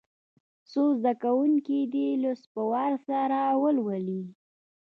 څو زده کوونکي دي لوست په وار سره ولولي.